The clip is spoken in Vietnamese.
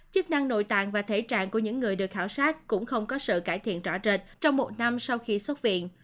chức năng nội tạng và thể trạng của những người được khảo sát cũng không có sự cải thiện rõ rệt trong một năm sau khi xuất viện